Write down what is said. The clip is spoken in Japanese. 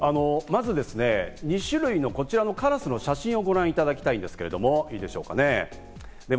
まず２種類のこちらのカラスの写真をご覧いただきたいんですけれども、いいでしょうかね。